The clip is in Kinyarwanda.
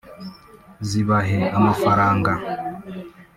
zibahe amafaranga